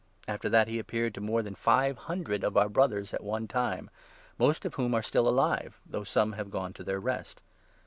After that, he appeared to more than five hundred 6 of our Brothers at one time, most of whom are still alive, though some have gone to their rest.